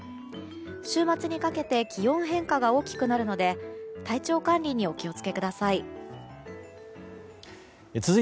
週末にかけて気温変化が大きくなるので体調管理にお気を付けください。